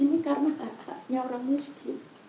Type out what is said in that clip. ini karena hak haknya orang miskin